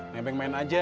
nempeng main aja